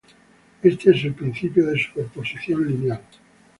Este es el principio de superposición lineal.